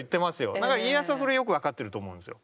だから家康はそれがよく分かってると思うんですよ。